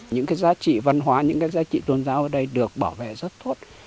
những cái giá trị văn hóa những cái giá trị tôn giáo ở đây được bảo vệ rất tốt